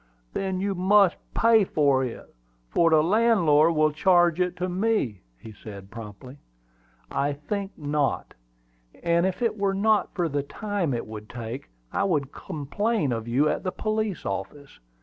"Then you must pay for it, for the landlord will charge it to me," said he, promptly. "I think not; and if it were not for the time it would take, I would complain of you at the police office.